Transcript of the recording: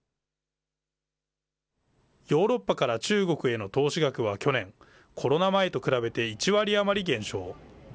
ヨーロッパから中国への投資額は去年、コロナ前と比べて１割余り減少。